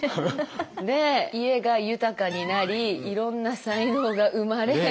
で家が豊かになりいろんな才能が生まれ。